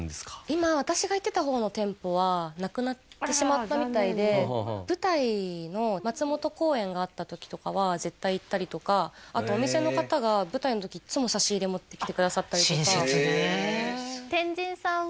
今私が行ってた方の店舗はなくなってしまったみたいであらら残念舞台の松本公演があった時とかは絶対行ったりとかあとお店の方が舞台の時いつも差し入れ持ってきてくださったりとか親切ね天神さんは閉店してしまっているんですが